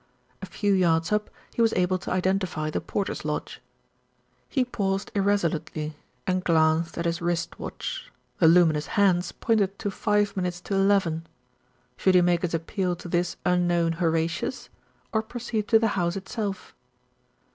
A few yards up he was able to identify the porter's lodge. He paused irresolutely, and glanced at his wrist watch. The luminous hands pointed to five minutes to eleven. Should he make his appeal to this unknown Horatius, or proceed to the house itself?